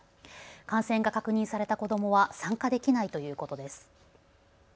感染が確認された子どもは参加できないということです。